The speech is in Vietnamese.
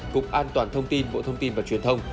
cục an toàn thông tin bộ thông tin và truyền thông